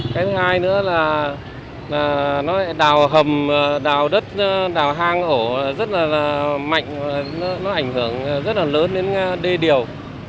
cái thứ hai nữa là nó lại đào hầm đào đất đào hang ổ rất là mạnh và nó ảnh hưởng rất là lớn đến đê điều